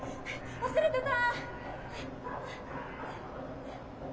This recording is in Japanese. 忘れてた！